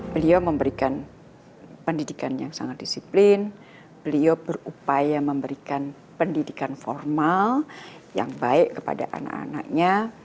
beliau memberikan pendidikan yang sangat disiplin beliau berupaya memberikan pendidikan formal yang baik kepada anak anaknya